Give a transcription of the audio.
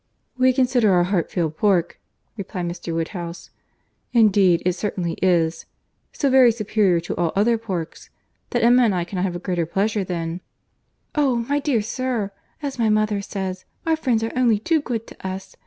"We consider our Hartfield pork," replied Mr. Woodhouse—"indeed it certainly is, so very superior to all other pork, that Emma and I cannot have a greater pleasure than—" "Oh! my dear sir, as my mother says, our friends are only too good to us.